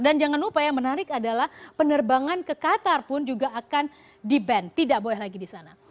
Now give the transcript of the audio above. jangan lupa yang menarik adalah penerbangan ke qatar pun juga akan di ban tidak boleh lagi di sana